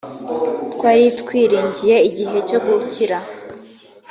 twari twiringiye igihe cyo gukira